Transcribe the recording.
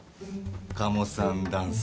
カモさんダンス。